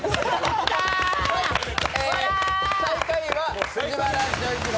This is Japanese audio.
最下位は藤原丈一郎。